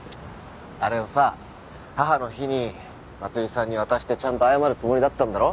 あれをさ母の日にまつりさんに渡してちゃんと謝るつもりだったんだろ？